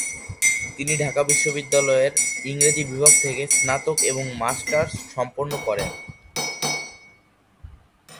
তিনি ঢাকা বিশ্ববিদ্যালয়ের ইংরেজি বিভাগ থেকে স্নাতক এবং মাস্টার্স সম্পন্ন করেন।